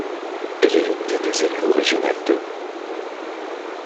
Elle est l’une des deux élus aux régionales de.